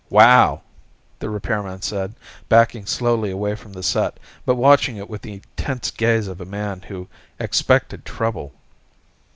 "Wow," the repairman said, backing slowly away from the set, but watching it with the tense gaze of a man who expected trouble.